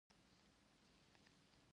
آیا موږ ټول یو موټی یو؟